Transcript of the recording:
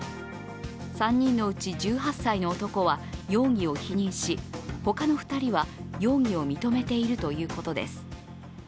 ３人のうち１８歳の男は容疑を否認し他の２人は容疑を認めているということです。